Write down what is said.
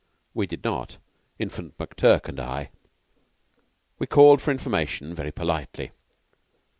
We did not Infant, McTurk, and I; and we called for information very politely.